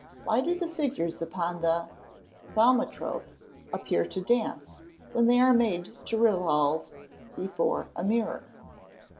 _Why do the figures upon the "Thaumatrope" appear to dance, when they are made to revolve before a mirror?